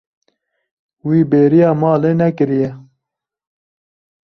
Wî bêriya malê nekiriye.